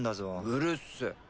うるせぇ。